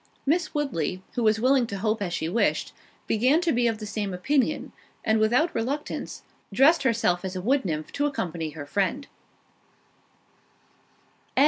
Miss Woodley, who was willing to hope as she wished, began to be of the same opinion; and, without reluctance, dressed herself as a wood nymph to accompany her friend.